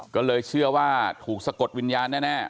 ก็เลยเชื่อว่าถูกสะกดวิญญาณแน่